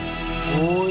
おい！